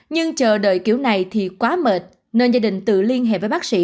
nhưng chờ đợi kiểu này thì quá mệt nên gia đình tự liên hệ với bác sĩ